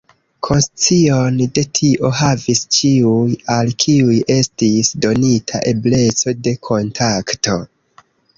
Konscion de tio havis ĉiuj, al kiuj estis donita ebleco de kontakto.